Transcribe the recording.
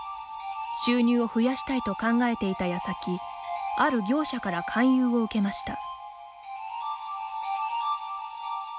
収入を増やしたいと考えていたやさきある業者から勧誘を受けました。